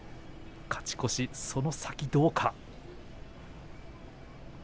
勝ち越し、その先どうか。